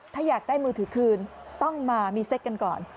ถ้าอยากได้มือถือคืนต้องมามีเซ็กกันก่อน